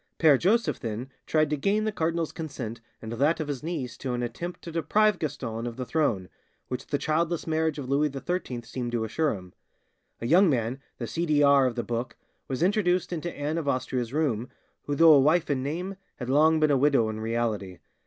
Pere Joseph then tried to gain the cardinal's consent and that of his niece to an attempt to deprive Gaston of the throne, which the childless marriage of Louis XIII seemed to assure him. A young man, the C. D. R. of the book, was introduced into Anne of Austria's room, who though a wife in name had long been a widow in reality.